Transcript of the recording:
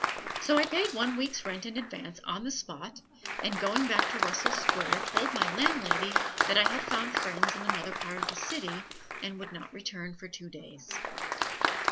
So I paid one week's rent in advance on the spot, and going back to Russell Square told my landlady that I had found friends in another part of the city and would not return for two days.